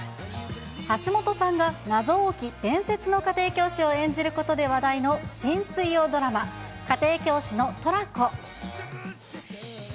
橋本さんが謎多き伝説の家庭教師を演じることで話題の新水曜ドラマ、家庭教師のトラコ。